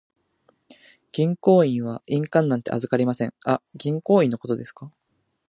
銀行員は印鑑なんて預かりません。あ、銀行印のことですか。